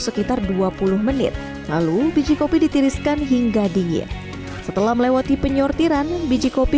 sekitar dua puluh menit lalu biji kopi ditiriskan hingga dingin setelah melewati penyortiran biji kopi